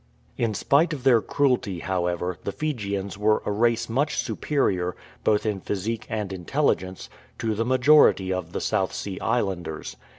In spite of their cruelty, however, the Fijians were a race much superior, both in physique and intelligence, to the majority of the South Sea islanders.